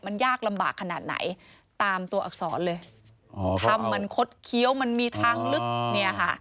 มันยากลำบากขนาดไหนตามตัวอักษรเลยอ๋อทำมันคดเคี้ยวมันมีทางลึกเนี่ยค่ะ